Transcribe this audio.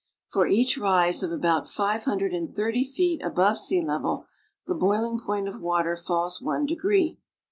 For each rise of about five hun dred and thirty feet above sea level the boiling point of water falls one degree.